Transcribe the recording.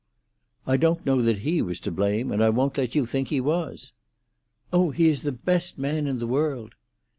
"I don't know that he was to blame, and I won't let you think he was." "Oh, he is the best man in the world!"